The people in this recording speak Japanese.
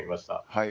はい。